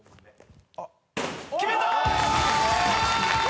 決めたー！